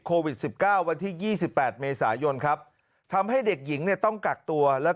โควิด๑๙วันที่๒๘เมษายนครับทำให้เด็กหญิงเนี่ยต้องกักตัวแล้ว